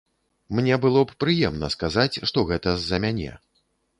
Мне было б прыемна сказаць, што гэта з-за мяне.